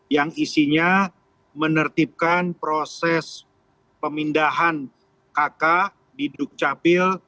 yang isinya menertibkan proses pemindahan kk di dukcapil